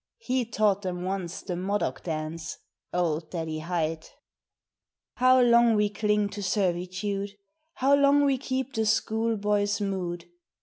He taught them once the Modoc dance Old Daddy Hight. How long we cling to servitude, How long we keep the schoolboy's mood!